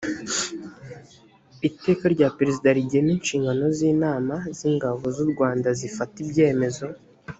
iteka rya perezida rigena inshingano z inama z ingabo z u rwanda zifata ibyemezo